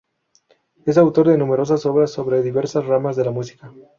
Es autor de numerosas obras sobre diversas ramas de la música.